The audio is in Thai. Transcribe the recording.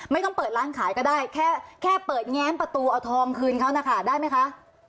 ไม่ต้องเปิดร้านขายก็ได้แค่เปิดแง้มประตูเอาทองคืนเขานะคะได้ไหมคะ